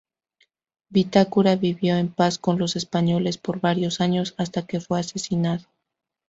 Vitacura vivió en paz con los españoles por varios años hasta que fue asesinado.